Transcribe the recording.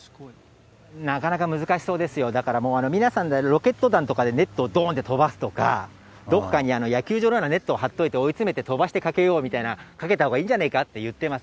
なかなか難しそうですよ、だからもう、皆さんでロケット弾とかで、ネットをどんって飛ばすとか、どこかに野球場のようなネットを張っといて、追い詰めて飛ばしてかけたほうがいいんじゃねぇかって言ってます。